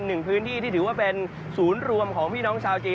หนึ่งพื้นที่ที่ถือว่าเป็นศูนย์รวมของพี่น้องชาวจีน